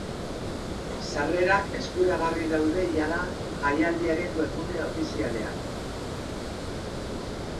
Sarrerak eskuragarri daude jada jaialdiaren webgune ofizialean.